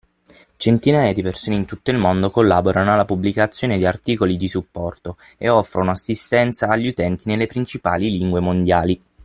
Centinaia di persone in tutto il mondo collaborano alla pubblicazione di articoli di supporto e offrono assistenza agli utenti nelle principali lingue mondiali.